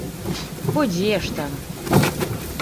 Бо дзе ж там!